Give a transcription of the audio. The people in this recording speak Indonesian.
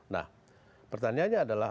nah pertanyaannya adalah